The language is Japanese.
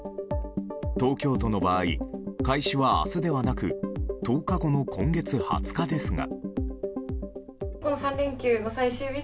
東京都の場合開始は明日ではなく１０日後の今月２０日ですが。